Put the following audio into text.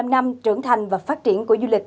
một mươi năm năm trưởng thành và phát triển của du lịch